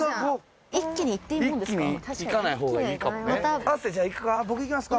一気に行っていいもんですか？